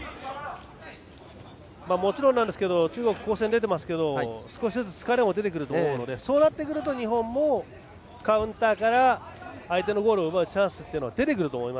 もちろんですが中国は攻勢に出ていますが少しずつ疲れも出てくると思うのでそうなってくると日本もカウンターからゴールを奪うチャンスは出てくるので。